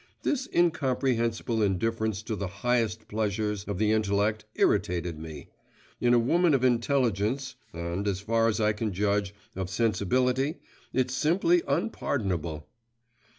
This incomprehensible indifference to the highest pleasures of the intellect irritated me. In a woman of intelligence, and as far as I can judge, of sensibility, it's simply unpardonable.